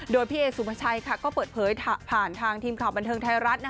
โดยพี่เอสุภาชัยก็เปิดเผยผ่านทางทีมข่าวบันเทิงไทยรัฐ